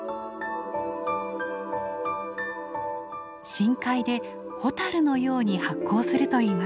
深海でホタルのように発光するといいます。